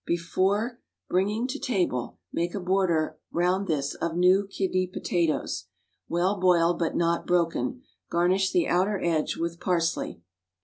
Before bringing to table, make a border round this of new kidney potatoes, well boiled but not broken; garnish the outer edge with parsley.